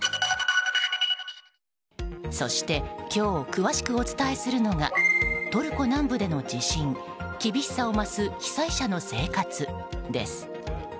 そして、今日詳しくお伝えするのがトルコ南部での地震厳しさを増す被災者の生活です。